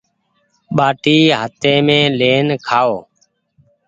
ٻآٽي هآتيم لين کآئو۔